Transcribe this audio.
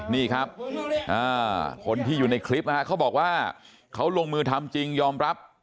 นี่ครับคนที่อยู่ในคลิปนะฮะเขาบอกว่าเขาลงมือทำจริงยอมรับ